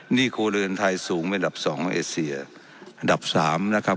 ครัวเรือนไทยสูงเป็นดับสองเอเซียอันดับสามนะครับ